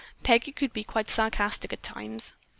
Peggy could be quite sarcastic at times.